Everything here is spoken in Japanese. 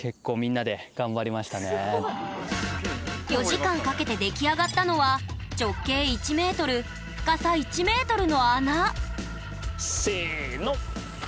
４時間かけて出来上がったのは直径１ｍ深さ１ｍの穴せの！